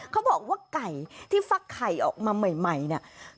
เขาบอกว่าไก่ที่ฟักไข่ออกมาใหม่เนี่ย